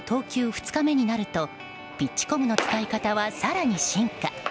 ２日目になるとピッチコムの使い方は更に進化。